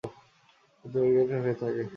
এটি দৈর্ঘ্যের হয়ে থাকে।